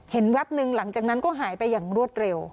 แวบนึงหลังจากนั้นก็หายไปอย่างรวดเร็ว